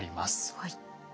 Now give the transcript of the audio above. はい。